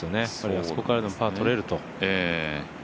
あそこからでもパーとれると。